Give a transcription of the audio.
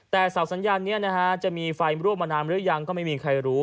แต่เสาสัญญาณนี้นะฮะจะมีไฟรั่วมานานหรือยังก็ไม่มีใครรู้